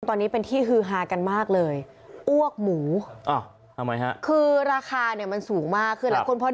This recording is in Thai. ตอนนี้เป็นที่ฮือฮากันมากเลย